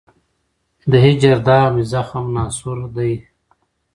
د هجر داغ مي زخم ناصور دی